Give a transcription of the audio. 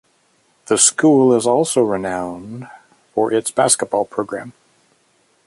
The school is also renowned for its basketball program.